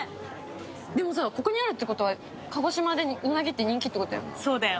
でもさ、ここにあるってことは鹿児島でうなぎって人気ってことだよね。